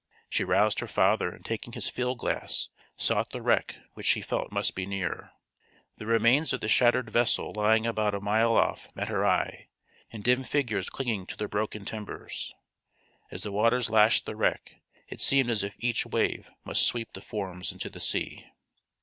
She roused her father and taking his field glass sought the wreck which she felt must be near. The remains of the shattered vessel lying about a mile off met her eye, and dim figures clinging to the broken timbers. As the waters lashed the wreck it seemed as if each wave must sweep the forms into the sea.